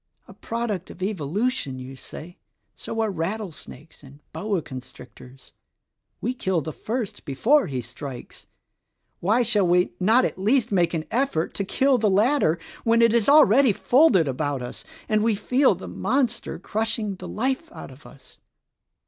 A product of Evolution, you say? So are rattlesnakes and boa constrictors. We kill the first before he strikes. Why shall we not at least make an effort to kill the latter when it is already folded about us and we feel the monster crushing the life out of us?"